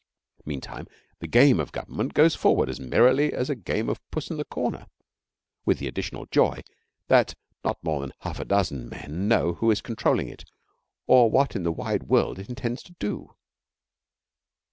Meantime, the game of government goes forward as merrily as a game of puss in the corner, with the additional joy that not more than half a dozen men know who is controlling it or what in the wide world it intends to do.